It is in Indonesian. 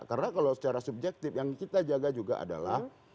karena kalau secara subjektif yang kita jaga juga adalah